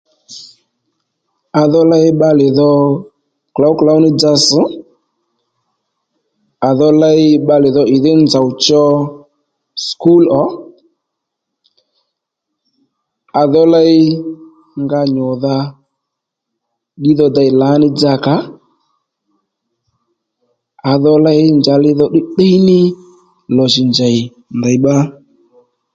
À dho ley bbalè dho klǒwklǒw ní dza ss̀ à dho ley bbalè dho ìdhí nzòw cho sùkúl ò à dho ley nga nyùdha ddí dho dey lǎní dzakǎ à dho ley njàli dho tdiytdiy ní lò jì njèy ndèy bbá